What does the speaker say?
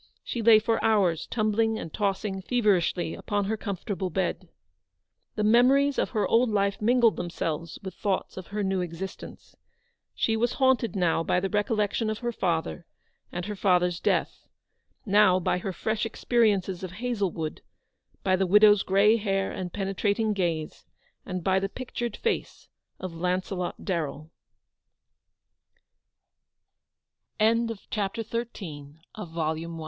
She lay for hours, tumbling and tossing feverishly upon her comfortable bed. The memories of her old life mingled them selves with thoughts of her new existence. She was haunted now by the recollection of her father, and her father's death ; now by her fresh experiences of Hazlewood, by the widow's grey hair and penetrating gaze, and by the